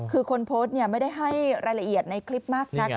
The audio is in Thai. คือคนโพสต์ไม่ได้ให้รายละเอียดในคลิปมากนัก